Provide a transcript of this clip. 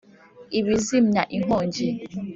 ibizimya inkongi